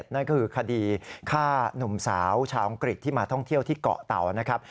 นั่นก็คือคดีฆ่าหนุ่มสาวชาวอังกฤษที่มาท่องเที่ยวที่เกาะเตานะครับ